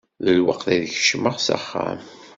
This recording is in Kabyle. D lweqt ad kecmeɣ s axxam.